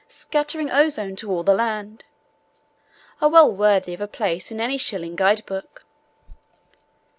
Scattering ozone to all the land! are well worthy of a place in any shilling guidebook.